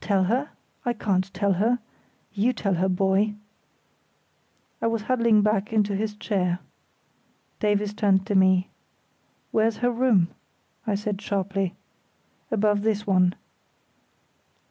"Tell her? I can't tell her. You tell her, boy." He was huddling back into his chair. Davies turned to me. "Where's her room?" I said, sharply. "Above this one."